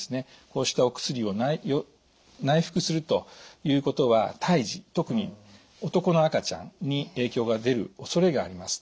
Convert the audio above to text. こうしたお薬を内服するということは胎児特に男の赤ちゃんに影響が出るおそれがあります。